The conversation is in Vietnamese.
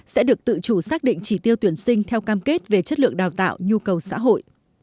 sẽ được tự chủ xác định chỉ tiêu tuyển sinh theo cam kết về chất lượng đào tạo nhu cầu xã hội